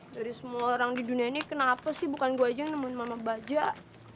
dari semua orang di dunia ini kenapa sih bukan gue aja yang nemuin mama bajak